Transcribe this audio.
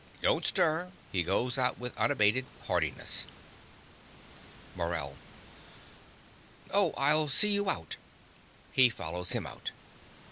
Don't stir. (He goes out with unabated heartiness.) MORELL. Oh, I'll see you out. (He follows him out.